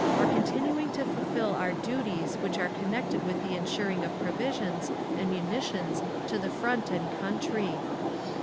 are continuing to fulfil our duties which are connected with the ensuring of provisions and munitions to the Front and country.